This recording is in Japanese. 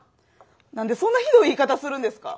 なんでそんなひどい言い方するんですか？